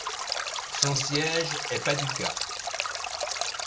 Son siège est Paducah.